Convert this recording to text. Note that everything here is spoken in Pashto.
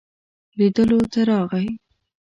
لیدلو ته راغی.